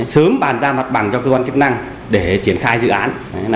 sớm bàn ra mặt bằng cho cơ quan chức năng để triển khai dự án